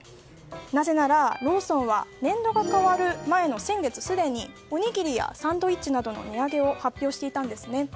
なぜならローソンは年度が変わる前の先月、すでにおにぎりやサンドイッチなどの値上げを発表していたんですね。